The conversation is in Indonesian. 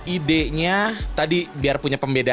ide nya tadi biar punya pemerintah